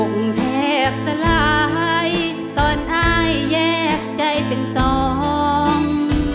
องค์แทบสลายตอนอ้ายแยกใจถึงสอง